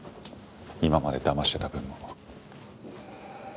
今まで騙してた分も。